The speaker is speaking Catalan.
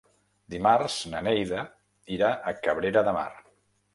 Dimarts na Neida irà a Cabrera de Mar.